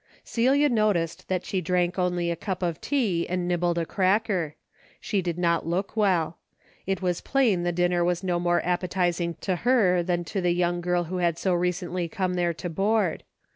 Celia noticed that she drank only a cup of tea and nibbled a cracker. She did not look well. It was plain the dinner was no more appetizing to her than to the young girl who had so recently come there to board.